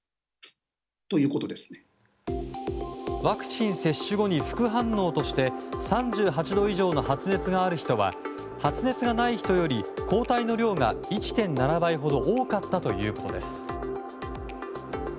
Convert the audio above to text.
ワクチン接種後に副反応として３８度以上の発熱がある人は発熱がない人より抗体の量が１．７倍ほど多かったということです。